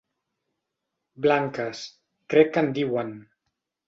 Blanques, crec que en diuen.